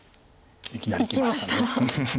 いきなりいきました。